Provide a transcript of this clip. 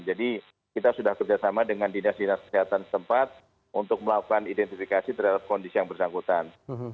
jadi kita sudah kerjasama dengan dinas dinas kesehatan setempat untuk melakukan identifikasi terhadap kondisi yang bersangkutan